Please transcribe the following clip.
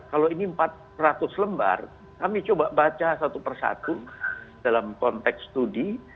kalau ini empat ratus lembar kami coba baca satu persatu dalam konteks studi